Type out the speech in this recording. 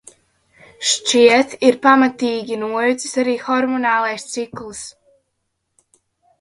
Šķiet, ir pamatīgi nojucis arī hormonālais cikls...